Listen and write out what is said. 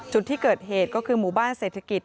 จุดที่เกิดเหตุก็คือหมู่บ้านเศรษฐกิจ